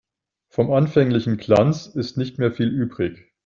Vom anfänglichen Glanz ist nicht mehr viel übrig.